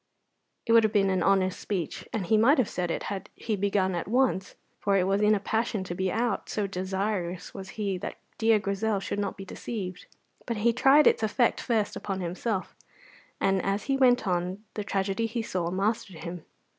It would have been an honest speech, and he might have said it had he begun at once, for it was in a passion to be out, so desirous was he that dear Grizel should not be deceived; but he tried its effect first upon himself, and as he went on the tragedy he saw mastered him.